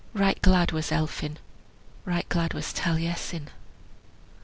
Right glad was Elphin, right glad was Taliesin.